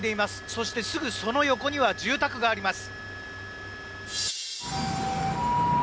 そして、すぐその横には住宅があります。